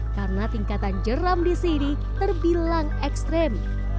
karena tingkatan jeram di sini terbilang ekstrem